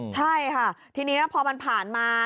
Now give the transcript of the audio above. ใช่ค่ะทีนี้พอมันผ่านมา